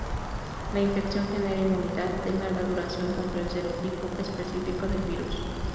La infección genera inmunidad de larga duración contra el serotipo específico del virus.